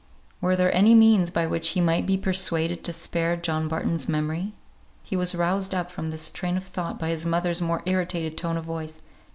Were there any means by which he might be persuaded to spare John Barton's memory? He was roused up from this train of thought by his mother's more irritated tone of voice.